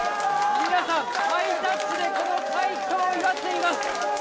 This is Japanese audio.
皆さん、ハイタッチでこの快挙を祝っています。